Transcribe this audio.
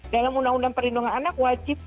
dalam undang undang perlindungan anak wajib